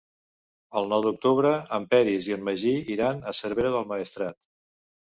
El nou d'octubre en Peris i en Magí iran a Cervera del Maestrat.